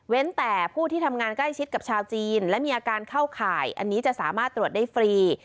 แต่ผู้ที่ทำงานใกล้ชิดกับชาวจีนและมีอาการเข้าข่ายอันนี้จะสามารถตรวจได้ฟรี